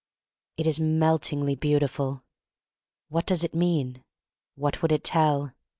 It is meltingly beautiful. What does it mean? What would it tell?